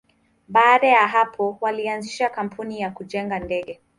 Baada ya hapo, walianzisha kampuni ya kujenga ndege.